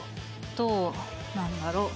どうなんだろう？